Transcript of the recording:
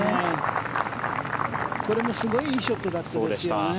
これもすごいいいショットだったですよね。